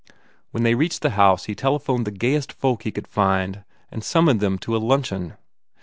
When they reached the house he telephoned the gayest folk he could find and summoned them to a luncheon.